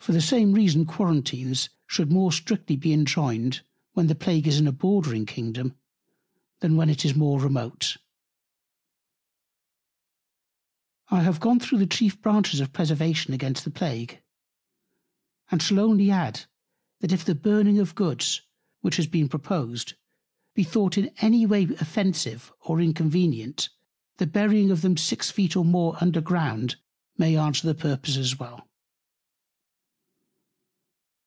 For the same Reason Quarentines should more strictly be enjoined, when the Plague is in a bordering Kingdom, than when it is more remote. I have gone through the chief Branches of Preservation against the Plague. And shall only add, that if the Burning of Goods, which has been proposed, be thought any Way offensive or inconvenient, The Burying of them six Feet, or more, under Ground may answer the Purpose as well.